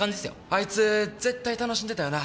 あいつ絶対楽しんでたよな？